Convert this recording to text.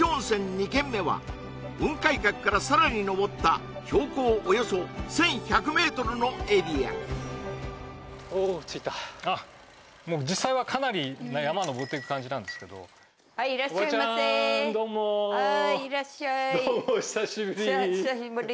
２軒目は雲海閣からさらに上った標高およそ１１００メートルのエリアお着いた実際はかなり山登っていく感じなんですけどおばちゃーんどうもはーいいらっしゃいどうも久しぶり久しぶり